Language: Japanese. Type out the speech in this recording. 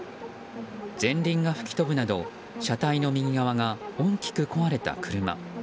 前輪が吹き飛ぶなど車体の右側が大きく壊れた車。